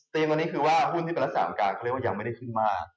วันนี้คือว่าหุ้นที่เป็นรักษาการเขาเรียกว่ายังไม่ได้ขึ้นมาก